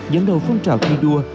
dẫn đầu phong trào thi đua